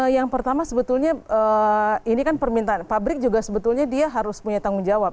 yang pertama sebetulnya ini kan permintaan pabrik juga sebetulnya dia harus punya tanggung jawab